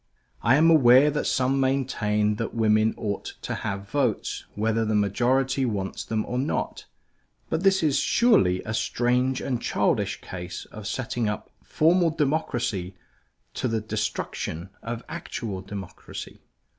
I am aware that some maintain that women ought to have votes whether the majority wants them or not; but this is surely a strange and childish case of setting up formal democracy to the destruction of actual democracy.